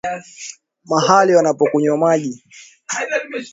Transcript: mahali wanapokunywa maji